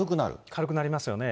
軽くなりますよね。